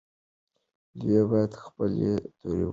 دوی باید خپلې تورو ووهي.